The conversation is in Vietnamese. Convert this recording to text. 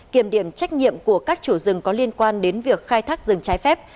kiểm điểm trách nhiệm của các chủ rừng có liên quan đến việc khai thác rừng trái phép